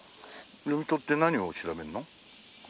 読み取って何を調べるの？